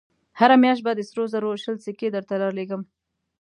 هره مياشت به د سرو زرو شل سيکې درته رالېږم.